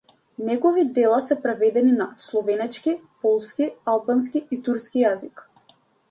Негови дела се преведени на словенечки, полски, албански и турски јазик.